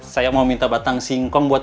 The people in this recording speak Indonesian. saya mau minta batang singkong buat